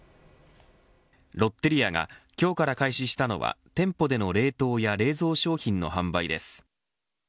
ロッテリアが今日から開始したのは店舗での冷凍や冷蔵商品の販売です。